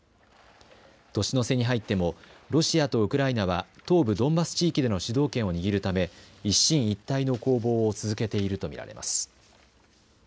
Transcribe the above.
年の瀬に入ってもロシアとウクライナは東部ドンバス地域での主導権を握るため一進一退の攻防を続けているとみられます。